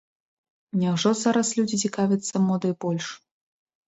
Няўжо зараз людзі цікавяцца модай больш?